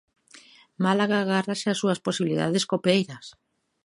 Málaga agárrase ás súas posibilidades copeiras.